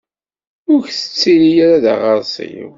Ur k-ttili ara d aɣersiw!